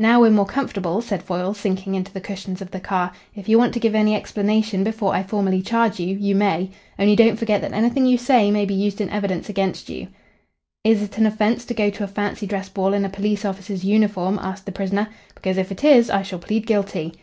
"Now we're more comfortable," said Foyle, sinking into the cushions of the car. "If you want to give any explanation before I formally charge you, you may. Only don't forget that anything you say may be used in evidence against you." "Is it an offence to go to a fancy dress ball in a police officer's uniform?" asked the prisoner. "Because if it is, I shall plead guilty."